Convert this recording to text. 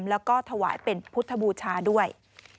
แล้วก็ถวายเป็นพุทธบูชาด้วย